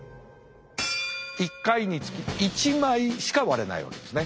１回につき１枚しか割れないわけですね。